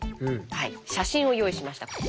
写真を用意しました。